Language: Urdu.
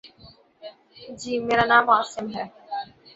جی، میرا نام عاصم ہے